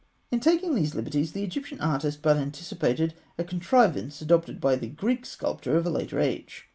In taking these liberties, the Egyptian artist but anticipated a contrivance adopted by the Greek sculptor of a later age.